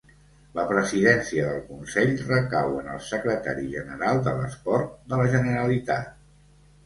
La presidència del Consell recau en el secretari general de l'esport de la Generalitat.